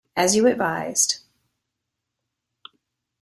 As you advised.